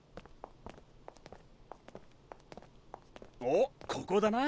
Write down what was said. おっここだな。